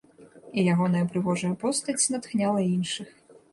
І ягоная прыгожая постаць натхняла іншых.